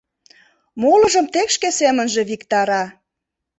«Молыжым тек шке семынже виктара.